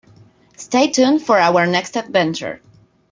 Stay tuned for our next adventure.